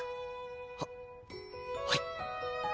ははい。